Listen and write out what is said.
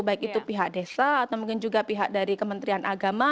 baik itu pihak desa atau mungkin juga pihak dari kementerian agama